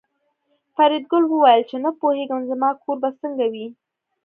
فریدګل وویل چې نه پوهېږم زما کور به څنګه وي